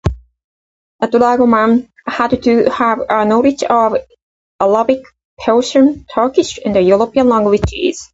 A dragoman had to have a knowledge of Arabic, Persian, Turkish, and European languages.